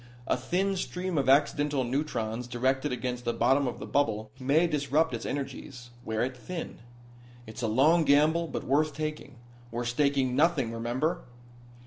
A thin stream of accidental neutrons directed against the bottom of the bubble may disrupt its energies wear it thin. It's a long gamble, but worth taking. We're staking nothing, remember?"